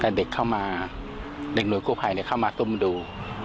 แต่เด็กเข้ามาเด็กหน่วยกู้ภัยเข้ามาตุ้มดู